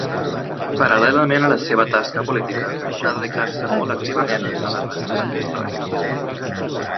Paral·lelament a la seva tasca política va dedicar-se molt activament a la recerca històrica.